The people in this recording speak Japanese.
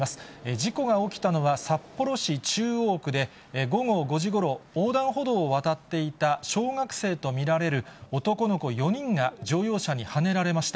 事故が起きたのは、札幌市中央区で、午後５時ごろ、横断歩道を渡っていた小学生と見られる男の子４人が乗用車にはねられました。